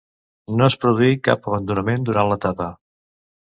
No es produí cap abandonament durant l'etapa.